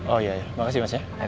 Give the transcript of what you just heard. oh iya makasih mas ya